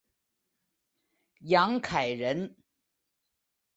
杨凯人。